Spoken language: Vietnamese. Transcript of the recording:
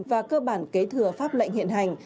và cơ bản kế thừa pháp lệnh hiện hành